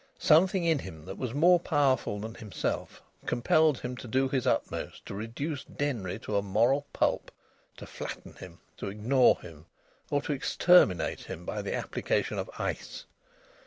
Something in him that was more powerful than himself compelled him to do his utmost to reduce Denry to a moral pulp, to flatten him, to ignore him, or to exterminate him by the application of ice.